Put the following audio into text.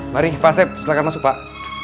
mari pak asep silahkan masuk pak